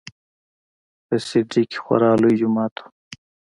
په سي ډي کښې خورا لوى جماعت و.